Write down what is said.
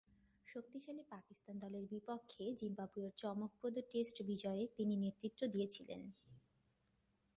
শক্তিশালী পাকিস্তান দলের বিপক্ষে জিম্বাবুয়ের চমকপ্রদ টেস্ট বিজয়ে তিনি নেতৃত্ব দিয়েছিলেন।